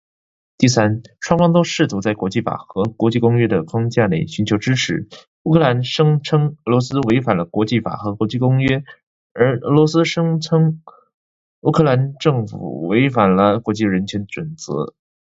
第三，双方都试图在国际法和国际公约的框架内寻求支持。乌克兰声称俄罗斯违反了国际法和国际公约，而俄罗斯则声称乌克兰政府违反了国际人权准则。